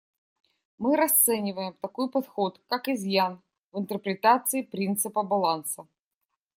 Мы расцениваем такой подход как изъян в интерпретации принципа баланса.